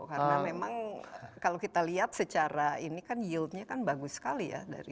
karena memang kalau kita lihat secara ini kan yieldnya kan bagus sekali ya